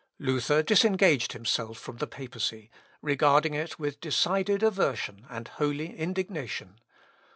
Luther disengaged himself from the papacy, regarding it with decided aversion and holy indignation.